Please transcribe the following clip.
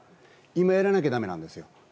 今やらなきゃだめなんですよ。